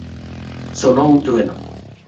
Sonó un trueno.